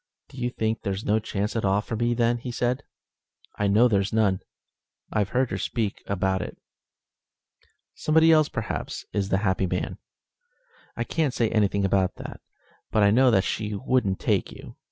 "Do you think there's no chance at all for me, then?" said he. "I know there's none. I've heard her speak about it." "Somebody else, perhaps, is the happy man?" "I can't say anything about that, but I know that she wouldn't take you.